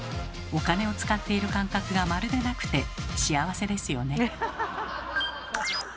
お金を使っている感覚がまるでなくて幸せですよね。